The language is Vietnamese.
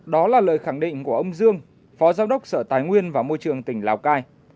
đó là lời khẳng định của ông dương phó giám đốc sở tài nguyên và môi trường tỉnh lào cai